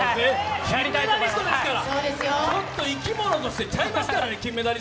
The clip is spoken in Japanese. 金メダリストですから、ちょっと生き物として違いますから。